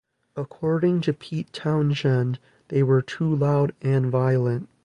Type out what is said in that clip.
According to Pete Townshend, they were too loud and violent.